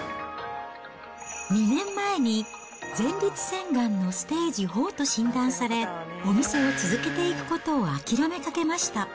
２年前に前立腺がんのステージ４と診断され、お店を続けていくことを諦めかけました。